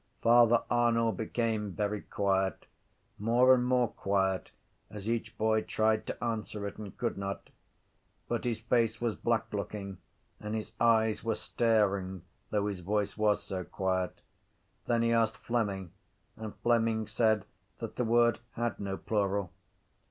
Father Arnall became very quiet, more and more quiet as each boy tried to answer it and could not. But his face was blacklooking and his eyes were staring though his voice was so quiet. Then he asked Fleming and Fleming said that the word had no plural.